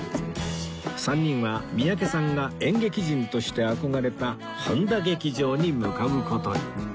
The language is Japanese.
３人は三宅さんが演劇人として憧れた本多劇場に向かう事に